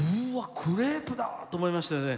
グレープだと思いましたね。